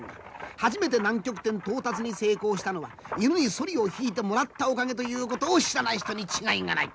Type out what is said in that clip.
初めて南極点到達に成功したのは犬にソリを引いてもらったおかげということを知らない人に違いがない。